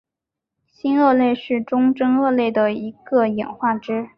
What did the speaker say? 新鳄类是中真鳄类的一个演化支。